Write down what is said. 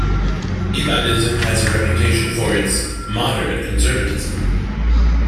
Ibadhism has a reputation for its "moderate conservatism".